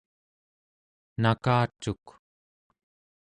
nakacuk